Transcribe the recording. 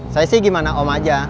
saya sih gimana om aja